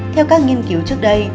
theo các nghiên cứu trước đây